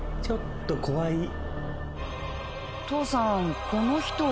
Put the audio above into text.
ちょっと怖い。